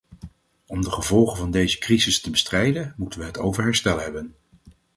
Om de gevolgen van deze crisis te bestrijden moeten we het over herstel hebben.